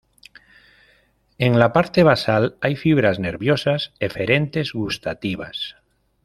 En la parte basal hay fibras nerviosas eferentes gustativas.